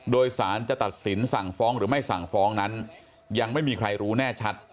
โดยสารจะตัดสินสั่งฟ้องหรือไม่สั่งฟ้องนั้นยังไม่มีใครรู้แน่ชัด